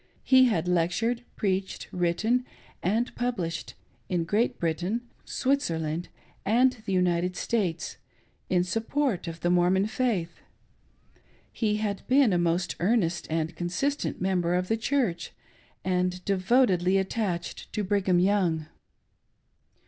He had lectured, preached, written and; published, in Great Britain, Switzerland, and the United States, in support of the Mormon faith. He had been a most earnest and consistent member of the Church, and devotedly attached to Brigham Young.